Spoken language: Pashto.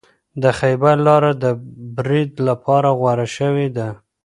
د خیبر لاره د برید لپاره غوره شوې ده.